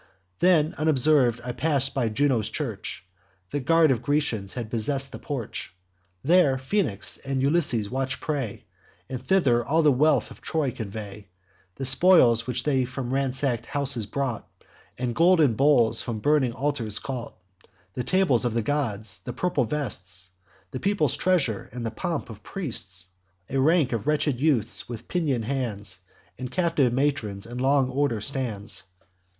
Then, unobserv'd, I pass by Juno's church: A guard of Grecians had possess'd the porch; There Phoenix and Ulysses watch the prey, And thither all the wealth of Troy convey: The spoils which they from ransack'd houses brought, And golden bowls from burning altars caught, The tables of the gods, the purple vests, The people's treasure, and the pomp of priests. A rank of wretched youths, with pinion'd hands, And captive matrons, in long order stands.